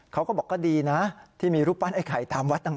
เขาก็บอกก็ดีนะที่มีรูปปั้นไอ้ไข่ตามวัดต่าง